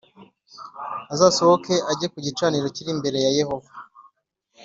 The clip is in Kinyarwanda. Azasohoke ajye ku gicaniro o kiri imbere ya Yehova